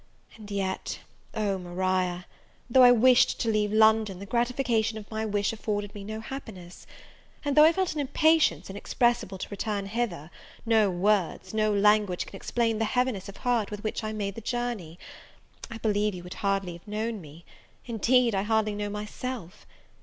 And yet, oh, Maria! though I wished to leave London, the gratification of my wish afforded me no happiness! and though I felt an impatience inexpressible to return hither, no words, no language, can explain the heaviness of heart with which I made the journey. I believe you would hardly have known me; indeed, I hardly know myself.